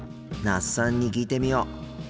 那須さんに聞いてみよう。